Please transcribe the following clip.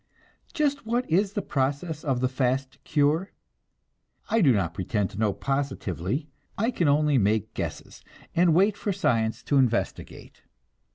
Just what is the process of the fast cure? I do not pretend to know positively. I can only make guesses, and wait for science to investigate.